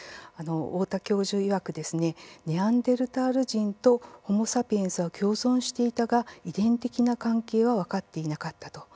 太田教授いわくですねネアンデルタール人とホモ・サピエンスは共存していたが、遺伝的な関係は分かっていなかったと。